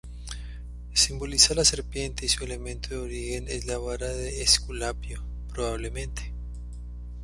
Simboliza la Serpiente y su elemento de origen es la Vara de Esculapio, probablemente.